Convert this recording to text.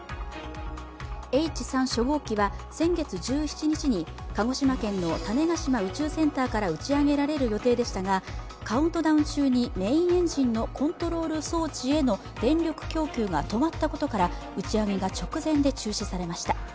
Ｈ３初号機は先月１７日に鹿児島県の種子島宇宙センターから打ち上げられる予定でしたが、カウントダウン中にメインエンジンのコントロール装置への電力供給が止まったことから打ち上げが直前で中止されました。